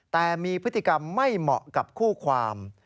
แต่มีพฤติกรรมไม่เหมาะกับคู่ความ